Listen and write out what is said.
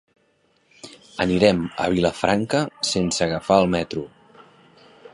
Anirem a Vilafranca sense agafar el metro.